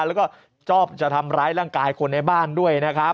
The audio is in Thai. แล้วก็ชอบจะทำร้ายร่างกายคนในบ้านด้วยนะครับ